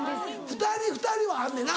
２人２人はあんねんな。